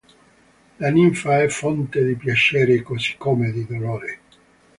La ninfa è fonte di piacere così come di dolore.